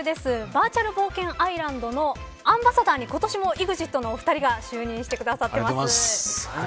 バーチャル冒険アイランドのアンバサダーに今年もＥＸＩＴの２人が就任してくださっています。